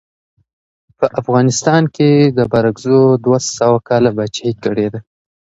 عدالت په مالي چارو کې مهم دی.